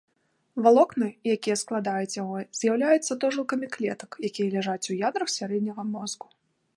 Валокны, якія складаюць яго, з'яўляюцца атожылкамі клетак, якія ляжаць у ядрах сярэдняга мозгу.